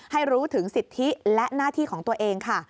ให้รู้ถึงสิทธิและหน้าที่ของตัวเองค่ะ